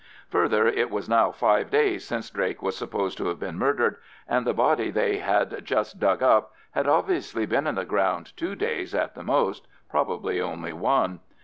Further, it was now five days since Drake was supposed to have been murdered, and the body they had just dug up had obviously been in the ground two days at the most, probably only one.